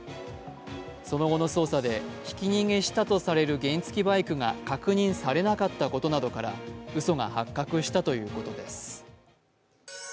その後の捜査で、ひき逃げしたとされる原付バイクが確認されなかったことなどからうそが発覚したということです。